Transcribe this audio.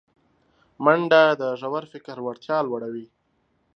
منډه د ژور فکر وړتیا لوړوي